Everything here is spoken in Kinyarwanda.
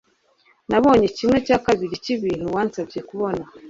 nabonye kimwe cya kabiri cyibintu wansabye kubona